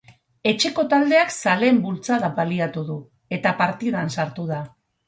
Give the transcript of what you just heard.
Etxeko taldeak zaleen bultzada baliatu du, eta partidan sartu da.